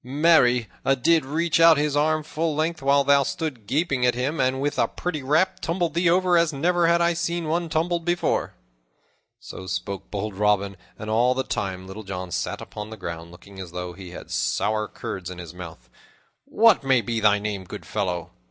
Marry, 'a did reach out his arm full length while thou stood gaping at him, and, with a pretty rap, tumbled thee over as never have I seen one tumbled before." So spoke bold Robin, and all the time Little John sat upon the ground, looking as though he had sour curds in his mouth. "What may be thy name, good fellow?"